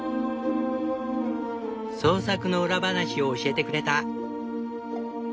創作の裏話を教えてくれた。